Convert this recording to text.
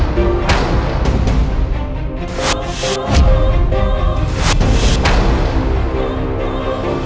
dewa temen aku